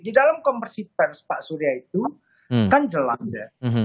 di dalam komprsi pers pak surya itu kan jelas ya